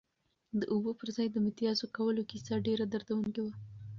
د اوبو پر ځای د متیازو کولو کیسه ډېره دردونکې وه.